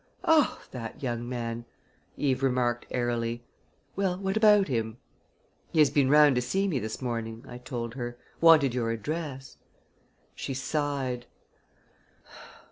"Oh, that young man!" Eve remarked airily. "Well, what about him?" "He has been round to see me this morning," I told her "wanted your address." She sighed.